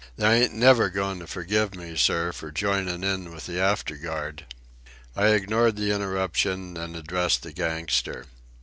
They ain't never goin' to forgive me, sir, for joinin' in with the afterguard." I ignored the interruption and addressed the gangster.